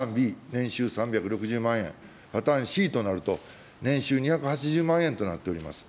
パターンＢ、年収３６０万円、パターンＣとなると、年収２８０万円となっております。